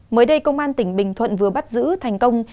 mới đây công an tỉnh bình thuận vừa bắt giữ thành công